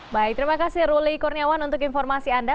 baik terima kasih ruli kurniawan untuk informasi anda